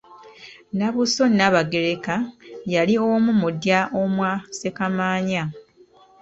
Nnabuuso Nnaabagereka yali omu mu ddya omwa Ssekamaanya.